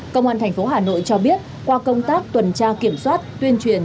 công an thành phố hà nội cho biết qua công tác tuần tra kiểm soát tuyên truyền